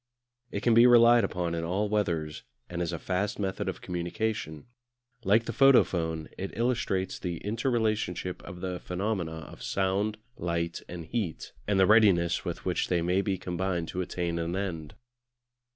It can be relied upon in all weathers, and is a fast method of communication. Like the photophone it illustrates the inter relationship of the phenomena of Sound, Light, and Heat, and the readiness with which they may be combined to attain an end.